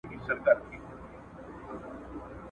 اوس خو راغلی یمه پیره ستنېدلای نه سم `